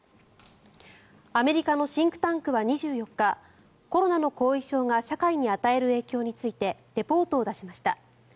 アメリカのシンクタンクは２４日コロナの後遺症が社会に与える影響についてレポートを出しました。